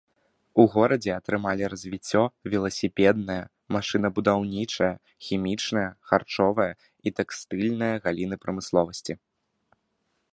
У горадзе атрымалі развіццё веласіпедная, машынабудаўнічая, хімічная, харчовая і тэкстыльная галіны прамысловасці.